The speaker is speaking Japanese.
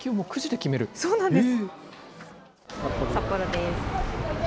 そうなんです。